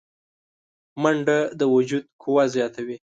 منډه د وجود قوه زیاتوي